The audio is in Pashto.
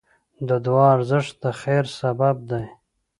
د دعا ارزښت د خیر سبب دی.